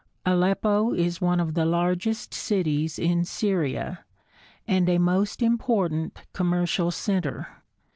Aleppo is one of the largest cities in Syria, and a most important commercial center.